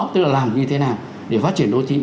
tức là làm như thế nào để phát triển đô thị